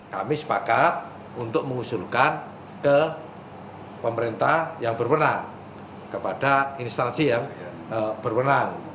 kami sepakat untuk mengusulkan ke pemerintah yang berwenang kepada instansi yang berwenang